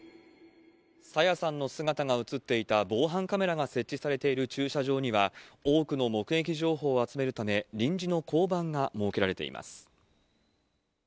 朝芽さんの姿が映っていた防犯カメラが設置されている駐車場には、多くの目撃情報を集めるため、臨時の交番が設けられています。